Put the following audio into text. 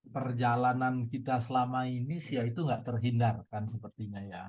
perjalanan kita selama ini itu tidak terhindarkan sepertinya